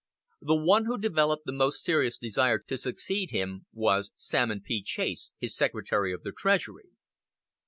The one who developed the most serious desire to succeed him was Salmon P. Chase, his Secretary of the Treasury.